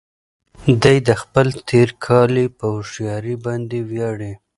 دی د خپل تېرکالي په هوښيارۍ باندې ویاړي.